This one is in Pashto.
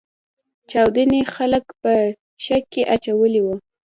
چاودنې خلګ په شک کې اچولي وو.